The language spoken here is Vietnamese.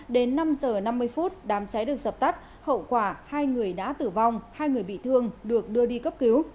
đến năm h năm mươi phút đám cháy được dập tắt hậu quả hai người đã tử vong hai người bị thương được đưa đi cấp cứu